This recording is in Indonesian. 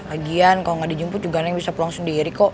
lagian kalau gak dijemput juga neng bisa pulang sendiri kok